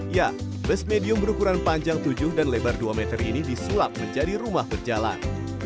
ya bus medium berukuran panjang tujuh dan lebar dua meter ini disulap menjadi rumah berjalan